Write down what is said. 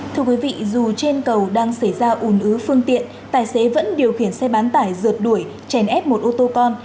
thưa quý vị dù trên cầu đang xảy ra ủn ứ phương tiện tài xế vẫn điều khiển xe bán tải rượt đuổi chèn ép một ô tô con